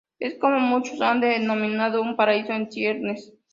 Es como muchos han denominado un paraíso en ciernes.